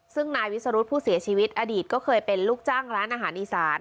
ซึ่งนายวิสรุธผู้เสียชีวิตอดีตก็เคยเป็นลูกจ้างร้านอาหารอีสาน